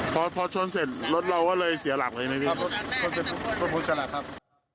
พอพอช้อนเสร็จรถเราก็เลยเสียหลักไปหมดช้อสะทผลปุชชาตาครับ